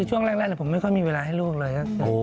ช่วงแรกผมไม่ค่อยมีเวลาให้ลูกเลย